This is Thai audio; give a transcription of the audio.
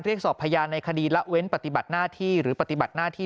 สอบพยานในคดีละเว้นปฏิบัติหน้าที่หรือปฏิบัติหน้าที่